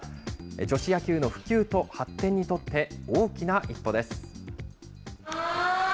女子野球の普及と発展にとって、大きな一歩です。